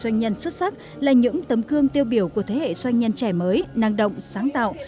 một doanh nhân xuất sắc là những tấm cương tiêu biểu của thế hệ doanh nhân trẻ mới năng động sáng tạo